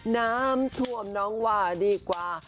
น้ำท่วมน้องว่าดีกว่า